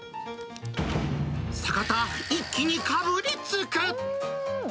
坂田、一気にかぶりつく。